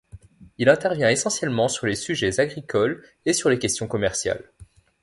Il intervient essentiellement sur les sujets agricoles et sur les questions commerciales.